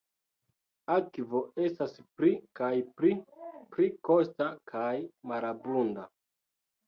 Akvo estas pli kaj pli pli kosta kaj malabunda.